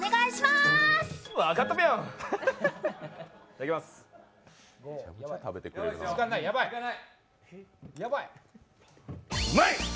うまい！